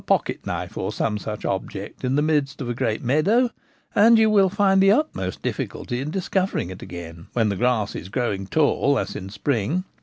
pocket knife or some such object in the midst of a great meadow, and you will find the utmost difficulty in discovering it again, when the grass is growing tall as in spring.